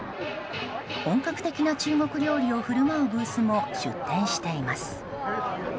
本格的な中国料理を振る舞うブースも出店しています。